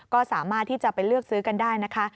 ก็สามารถที่จะไปเลือกซื้อกันได้นะคะ